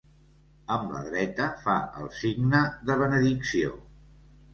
Amb la dreta, fa el signe de benedicció.